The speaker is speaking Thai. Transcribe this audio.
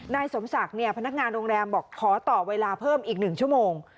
นายสมศักดิ์เนี่ยพนักงานโรงแรมบอกขอต่อเวลาเพิ่มอีก๑ชั่วโมง